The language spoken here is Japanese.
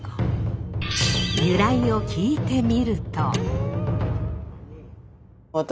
由来を聞いてみると。